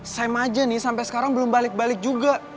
sam aja nih sampai sekarang belum balik balik juga